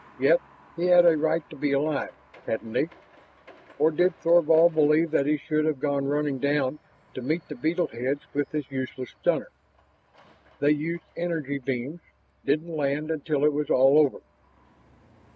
Yet he had a right to be alive, hadn't he? Or did Thorvald believe that he should have gone running down to meet the beetle heads with his useless stunner? "They used energy beams ... didn't land until it was all over."